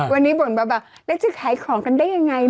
วันนี้บ่นเบาแล้วจะขายของกันได้ยังไง